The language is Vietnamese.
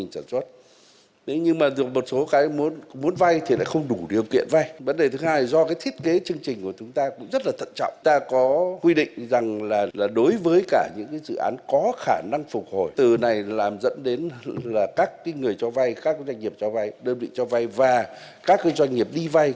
các người cho vay các doanh nghiệp cho vay đơn vị cho vay và các doanh nghiệp đi vay